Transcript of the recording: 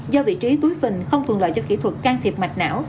do vị trí túi phình không thuận lợi cho kỹ thuật can thiệp mạch não